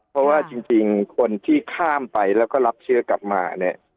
เพราะว่าจริงคนที่ข้ามไปแล้วก็รับเชื้อกลับมาเนี่ย